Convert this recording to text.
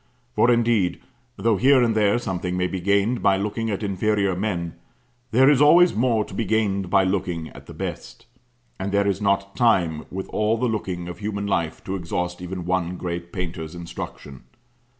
For indeed, though here and there something may be gained by looking at inferior men, there is always more to be gained by looking at the best; and there is not time, with all the looking of human life, to exhaust even one great painter's instruction.